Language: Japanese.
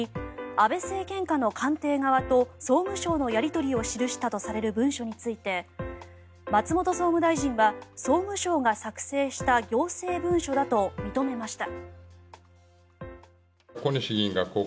安倍政権下の官邸側と総務省のやり取りを記したとされる文書について松本総務大臣は総務省が作成した行政文書だと認めました。